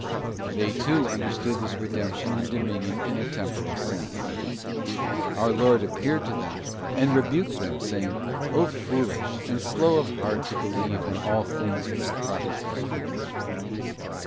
'* They, too, understood this redemption and dominion in a temporal sense. Our Lord appeared to them, and rebuked them, saying, 'O foolish, and slow of heart to believe in all things which the Prophets have spoken!